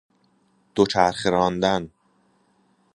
دوچرخه راندن